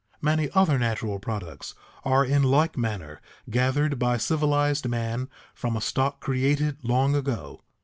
Many other natural products are in like manner gathered by civilized man from a stock created long ago.